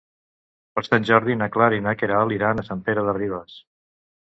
Per Sant Jordi na Clara i na Queralt iran a Sant Pere de Ribes.